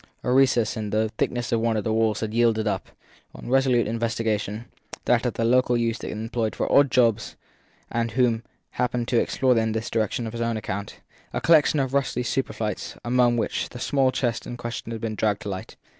A recess in the thickness of one of the walls had yielded up, on resolute investigation that of the local youth employed for odd jobs and who had happened to explore in this direction on his own account a collection of rusty superfluities among which the small chest in question had been dragged to light.